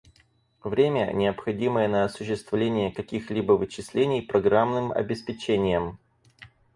Время, необходимое на осуществление каких-либо вычислений программным обеспечением